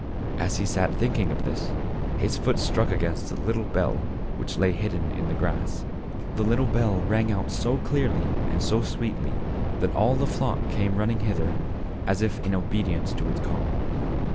As he sat thinking of this his foot struck against a little bell which lay hidden in the grass. The little bell rang out so clearly and sweetly that all the flock came running hither, as if in obedience to its call.